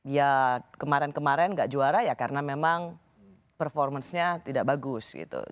ya kemarin kemarin nggak juara ya karena memang performance nya tidak bagus gitu